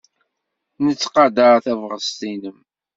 Nettqadar tabɣest-nnem.